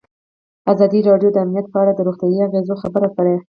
ازادي راډیو د امنیت په اړه د روغتیایي اغېزو خبره کړې.